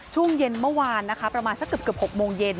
ช่วงเย็นเมื่อวานนะคะประมาณสักเกือบ๖โมงเย็น